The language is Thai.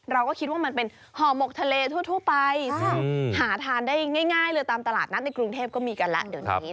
เราก็คิดว่ามันเป็นห่อหมกทะเลทั่วไปซึ่งหาทานได้ง่ายเลยตามตลาดนัดในกรุงเทพก็มีกันแล้วเดี๋ยวนี้